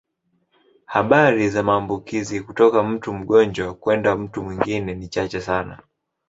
Habari za maambukizo kutoka mtu mgonjwa kwenda mtu mwingine ni chache sana.